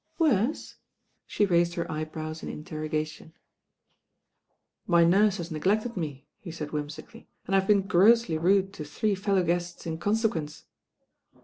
"Worse?" She raised her eyebrows in interro gat'on. "My nurse has neglected me," he said whim sically, "and I have been grossly rude to three fellow guests in consequence."